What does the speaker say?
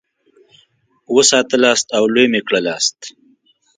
وساتلاست او لوی مي کړلاست.